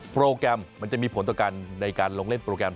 โปรแกรมมันจะมีผลต่อกันในการลงเล่นโปรแกรม